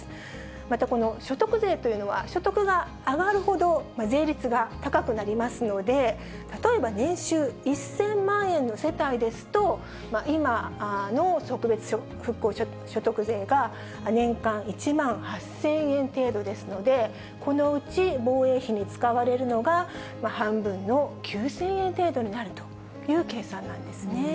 また、この所得税というのは、所得が上がるほど税率が高くなりますので、例えば、年収１０００万円の世帯ですと、今の特別復興所得税が、年間１万８０００円程度ですので、このうち防衛費に使われるのが、半分の９０００円程度になるという計算なんですね。